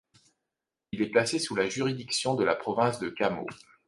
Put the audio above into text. Il est placé sous la juridiction de la province de Cà Mau.